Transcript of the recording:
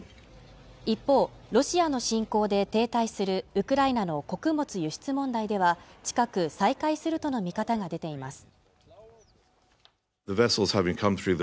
一方ロシアの侵攻で停滞するウクライナの穀物輸出問題では近く再開するとの見方が出ています